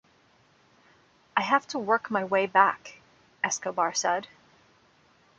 I have to work my way back, Escobar said.